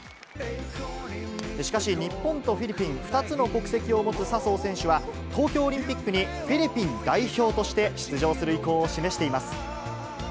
しかし、日本とフィリピン、２つの国籍を持つ笹生選手は、東京オリンピックにフィリピン代表として出場する意向を示しています。